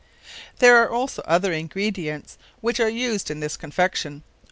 There are also other ingredients, which are used in this Confection.